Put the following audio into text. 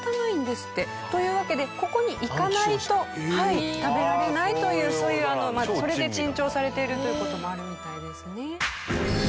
というわけでここに行かないと食べられないというそういうそれで珍重されているという事もあるみたいですね。